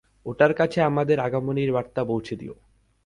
ওটার কাছে আমাদের আগমনীর বার্তা পৌঁছে দাও!